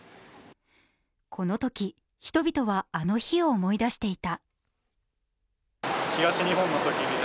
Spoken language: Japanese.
このとき、人々はあの日を思い出していた。